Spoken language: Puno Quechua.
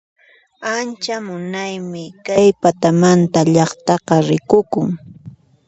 Ancha munaymi kay patamanta llaqtaqa rikukun